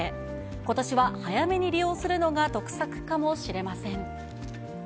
ことしは早めに利用するのが得策かもしれません。